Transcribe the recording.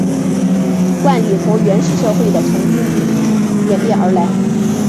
冠礼从原始社会的成丁礼演变而来。